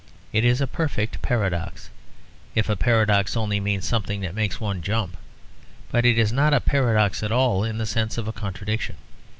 It is a perfect paradox, if a paradox only means something that makes one jump. But it is not a paradox at all in the sense of a contradiction.